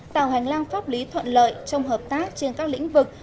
tạo hành lang pháp lý thuận lợi trong hợp tác trên các lĩnh vực